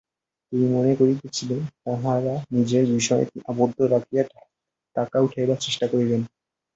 তিনি মনে করিতেছিলেন, তাঁহার নিজের বিষয় আবদ্ধ রাখিয়া টাকা উঠাইবার চেষ্টা করিবেন।